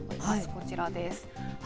こちらです。